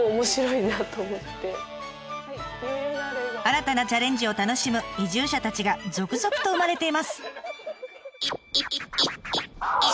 新たなチャレンジを楽しむ移住者たちが続々と生まれています！